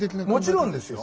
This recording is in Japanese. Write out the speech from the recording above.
もちろんですよ。